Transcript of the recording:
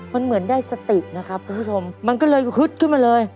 มันเหมือนได้สตินะครับคุณผู้ชมมันก็เลยฮึดขึ้นมาเลย